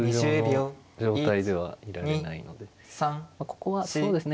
ここはそうですね